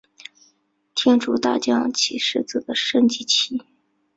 天竺大将棋狮子的升级棋。